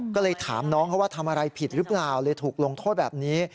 ก็เลยถามน้องเขาว่าทำอะไรผิดหรือเปล่าเลยถูกลงโทษแบบนี้